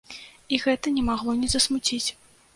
І гэта не магло не засмуціць.